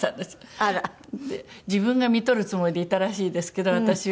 自分がみとるつもりでいたらしいですけど私を。